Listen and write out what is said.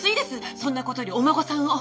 そんなことよりお孫さんを。